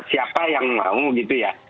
siapa yang mau gitu ya